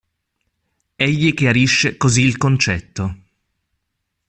Egli chiarisce così il concetto.